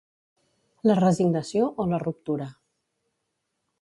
La resignació o la ruptura.